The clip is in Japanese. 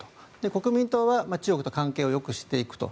国民党は中国と関係をよくしていくと。